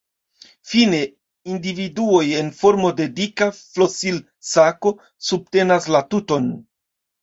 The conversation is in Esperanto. Fine individuoj en formo de dika flosil-sako subtenas la tuton.